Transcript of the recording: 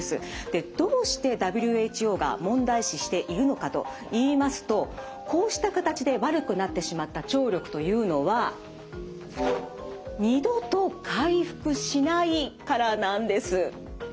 どうしてＷＨＯが問題視しているのかといいますとこうした形で悪くなってしまった聴力というのは２度と回復しない。